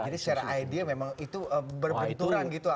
jadi secara idea memang itu berbenturan gitu